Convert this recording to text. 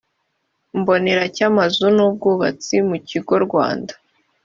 mbonera cy amazu n ubwubatsi mu kigo rwanda